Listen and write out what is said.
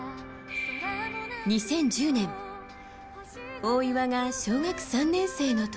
２０１０年大岩が小学３年生の時。